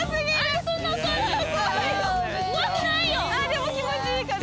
でも気持ちいい風。